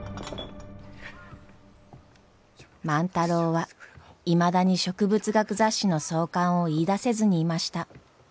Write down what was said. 万太郎はいまだに植物学雑誌の創刊を言いだせずにいました。